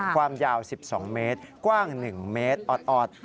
ความยาว๑๒เมตรกว้าง๑เมตรออด